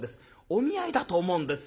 お見合いだと思うんですよ。